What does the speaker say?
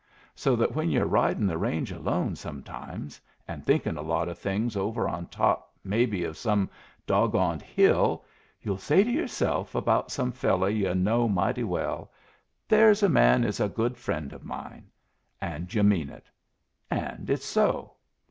So that when yu're ridin' the range alone sometimes, and thinkin' a lot o' things over on top maybe of some dog goned hill, you'll say to yourself about some fellow yu' know mighty well, 'There's a man is a good friend of mine.' And yu' mean it. And it's so.